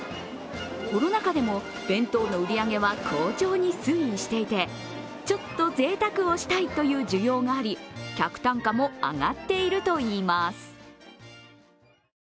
コロナ禍でも弁当の売り上げは好調に推移していて、ちょっとぜいたくをしたいという需要があり客単価も上がっているといいます。